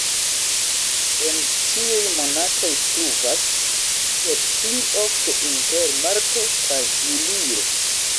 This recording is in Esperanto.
En ĉiuj monatoj pluvas, sed pli ofte inter marto kaj julio.